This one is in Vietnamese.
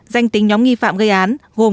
danh tính nhóm nghi phạm gây án gồm